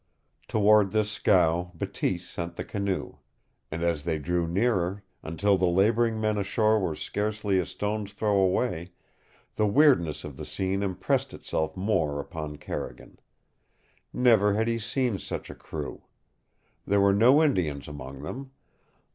Toward this scow Bateese sent the canoe. And as they drew nearer, until the laboring men ashore were scarcely a stone's throw away, the weirdness of the scene impressed itself more upon Carrigan. Never had he seen such a crew. There were no Indians among them.